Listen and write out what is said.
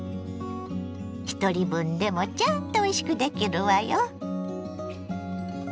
ひとり分でもちゃんとおいしくできるわよ。